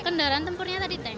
kendaraan tempurnya tadi tank